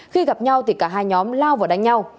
khi gặp nhau thì cả hai nhóm lao vào đánh nhau